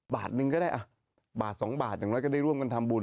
บาทนึงก็ได้บาท๒บาทอย่างน้อยก็ได้ร่วมกันทำบุญ